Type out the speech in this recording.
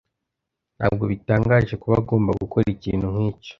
Ntabwo bitangaje kuba agomba gukora ikintu nkicyo.